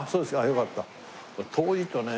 よかった。